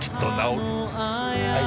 はい。